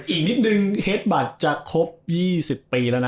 อีกนิดนึงเฮดบัตรจะครบ๒๐ปีแล้วนะ